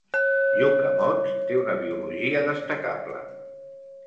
"Yucca moths" té una biologia destacable.